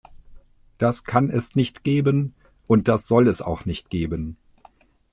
Das kann es nicht geben, und das soll es auch nicht geben.